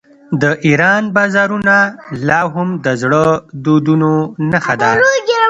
د ایران بازارونه لا هم د زړو دودونو نښه ده.